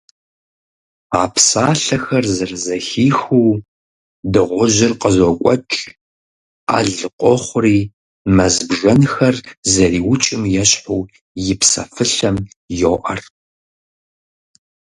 А псалъэхэр зэрызэхихыу, дыгъужьыр къызокӀуэкӀ, Ӏэл къохъури мэз бжэнхэр зэриукӀым ещхьу, и псэфылъэм йоӀэр.